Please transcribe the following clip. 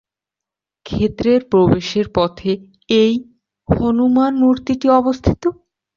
ক্ষেত্রের প্রবেশের পথে এই হনুমান মূর্তিটি অবস্থিত।